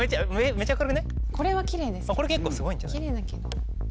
これこれ結構すごいんじゃない？